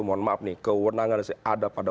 mohon maaf nih kewenangan saya ada pada